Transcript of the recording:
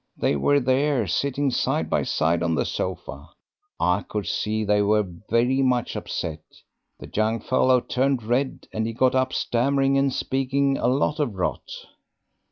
They were there sitting side by side on the sofa. I could see they were very much upset. The young fellow turned red, and he got up, stammering, and speaking a lot of rot.